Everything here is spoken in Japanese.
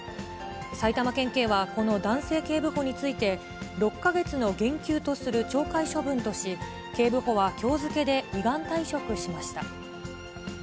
埼玉県警は、この男性警部補について、６か月の減給とする懲戒処分とし、警部補はきょう付けで依願退職しました。